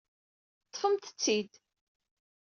Ṭṭfemt-t-id!